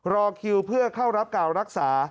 รอคิวเพื่อเข้ารับการรักษา